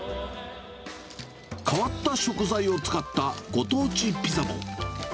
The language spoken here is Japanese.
変わった食材を使ったご当地ピザも。